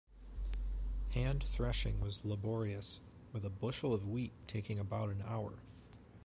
Hand threshing was laborious, with a bushel of wheat taking about an hour.